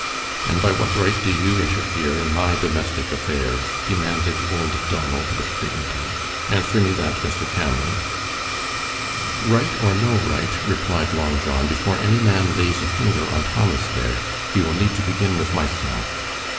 "And by what right do you interfere in my domestic affairs?" demanded old Donald, with dignity. "Answer me that, Mr. Cameron." "Right or no right," replied Long John, "before any man lays a finger on Thomas there, he will need to begin with myself.